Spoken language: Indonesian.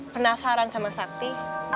penasaran sama sakti